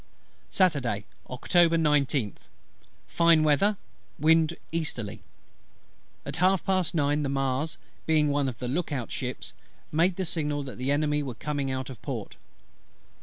Saturday, Oct. 19th. Fine weather: wind easterly. At half past nine the Mars, being one of the look out ships, made the signal that the Enemy were coming out of port.